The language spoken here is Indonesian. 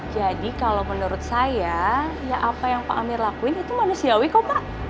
jadi kalau menurut saya ya apa yang pak amir lakuin itu manusiawi kok pak